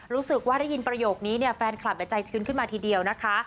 รู้สึกว่าได้ยินประโยคนี้เนี่ยแฟนคลับใจชื้นขึ้นมาทีเดียวนะคะ